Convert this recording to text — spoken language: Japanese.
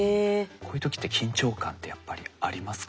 こういう時って緊張感ってやっぱりありますか？